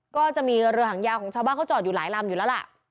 ก็จะมีเรือหางยาวของชาวบ้านเขาจอดอยู่หลายลำอยู่แล้วล่ะ